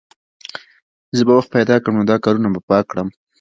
زه به وخت پیدا کړم او دا کارونه به پاک کړم